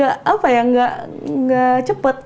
gak apa ya gak cepet